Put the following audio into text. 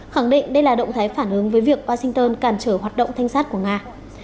khẳng định đây là động thái phản ứng với việc washington cản trở hoạt động thanh sát của nga